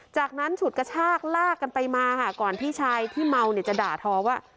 จากนั้นฉุดกระชากลากกันไปมาค่ะก่อนพี่ชายที่เมาเนี่ยจะด่าทอว่า